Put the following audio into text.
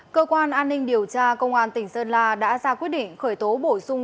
cơ quan an ninh điều tra công an tỉnh sơn la đã ra quyết định khởi tố bổ sung